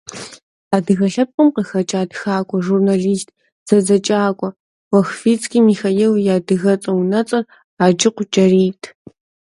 Адыгэ лъэпкъым къыхэкӀа тхакӏуэ, журнэлист, зэдзэкӏакӏуэ Лохвицкий Михаил и адыгэцӏэ-унэцӏэр Аджыкъу Джэрийт.